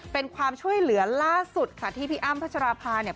เป็นความช่วยเหลือล่าสุดค่ะที่พี่อ้ำพัชราภาเนี่ย